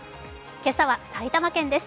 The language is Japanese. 今朝は埼玉県です。